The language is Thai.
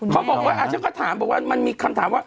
เขาบอกอ่าฉันก็ถามก็ถามว่ามีคำถาม